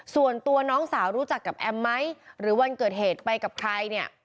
ส่วนตัวน้องสาวรู้จักกับแอมไหมหรือวันเกิดเหตุไปกับใครเนี่ย